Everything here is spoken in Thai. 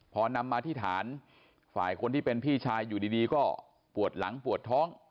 พอนำมาที่ฐานฝ่ายคนที่เป็นพี่ชายอยู่ดีก็ปวดหลังปวดท้อง